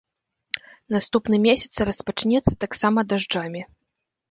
Наступны месяц распачнецца таксама дажджамі.